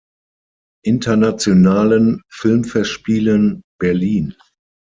Internationalen Filmfestspielen Berlin.